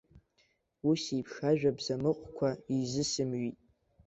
Ус еиԥш ажәа бзамыҟәқәа изысымҩит.